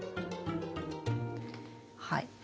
はい。